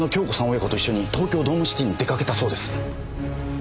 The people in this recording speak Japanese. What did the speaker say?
親子と一緒に東京ドームシティに出かけたそうです。